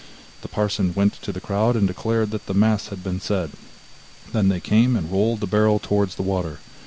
The parson went to the crowd, and declared that the mass had been said. Then they came and rolled the barrel towards the water.